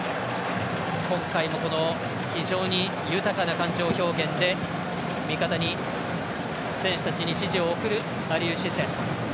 今回の非常に豊かな感情表現で味方に選手たちに指示を送るアリウ・シセ。